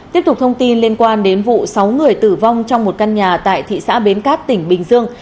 tiếp tục thông tin liên quan đến vụ sáu người tử vong trong một căn nhà tại thị xã bến cát tỉnh bình dương